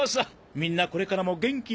みんなこれからも元気でね！